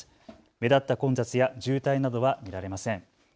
目立った混雑や渋滞などは見られません。